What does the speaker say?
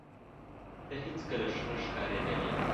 ته هیڅکله ښه نه ښکارېدلې